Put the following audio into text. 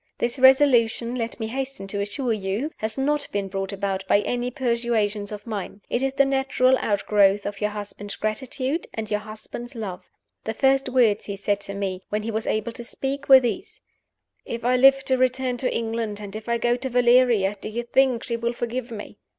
"This resolution, let me hasten to assure you, has not been brought about by any persuasions of mine. It is the natural outgrowth of your husband's gratitude and your husband's love. The first words he said to me, when he was able to speak, were these: 'If I live to return to England, and if I go to Valeria, do you think she will forgive me?